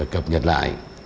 cập nhật lại